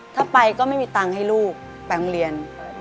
ถ้าไปก็ไม่มีตังค์ให้ลูกไปโรงเรียน